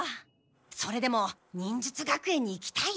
それでも忍術学園に行きたい？